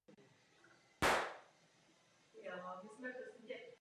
Co je na těchto utajených účtech?